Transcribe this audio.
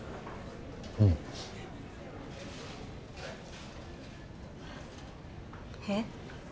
うん。えっ？